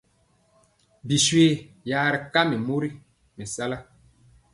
Biswe ya ri kam mori mɛsala.